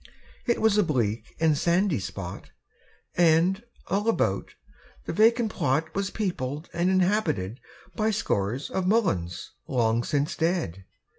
It was a bleak and sandy spot, And, all about, the vacant plot Was peopled and inhabited By scores of mulleins long since dead.